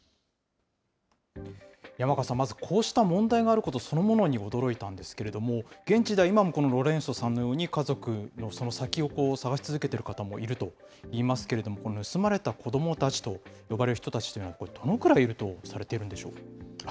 山香さん、まずこうした問題があること、そのものに驚いたんですけれども、現地では今もこのロレンソさんのように、家族のその先を探し続けている方もいるといいますけれども、この盗まれた子どもたちと呼ばれる人たちというのは、どのぐらいいるとされているんでしょうか。